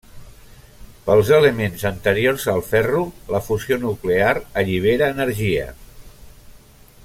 Pels elements anteriors al ferro, la fusió nuclear allibera energia.